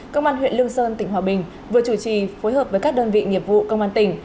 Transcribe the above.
công an huyện lương sơn tỉnh hòa bình vừa chủ trì phối hợp với các đơn vị nghiệp vụ công an tỉnh